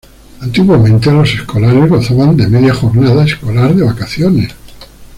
Antiguamente, los escolares gozaban de media jornada escolar de vacaciones.